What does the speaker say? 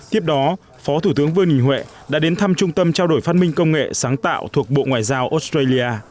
tiếp đó phó thủ tướng vương đình huệ đã đến thăm trung tâm trao đổi phát minh công nghệ sáng tạo thuộc bộ ngoại giao australia